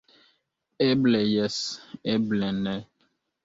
Eble jes, eble ne.